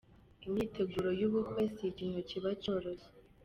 Imyiteguro y’ubukwe si ikintu kiba cyoroshye.